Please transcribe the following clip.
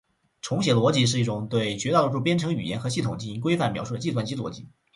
重写逻辑是一种对绝大多数编程语言和系统进行规范描述的计算机逻辑。